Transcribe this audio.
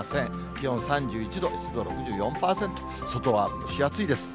気温３１度、湿度６４％、外は蒸し暑いです。